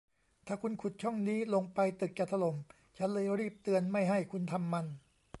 ถ้าคุณขุดช่องนี้ลงไปตึกจะถล่ม ฉันเลยรีบเตือนไม่ให้คุณทำมัน